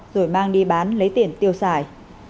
rồi mang đi bán lấy tiền tiêu xài